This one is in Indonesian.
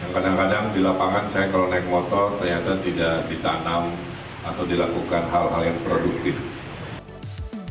kadang kadang di lapangan saya kalau naik motor ternyata tidak ditanam atau dilakukan hal hal yang produktif